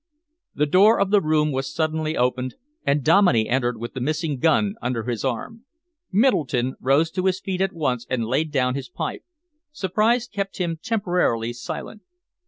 The door of the room was suddenly opened, and Dominey entered with the missing gun under his arm. Middleton rose to his feet at once and laid down his pipe. Surprise kept him temporarily silent.